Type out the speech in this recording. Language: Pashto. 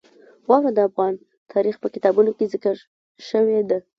واوره د افغان تاریخ په کتابونو کې ذکر شوې ده.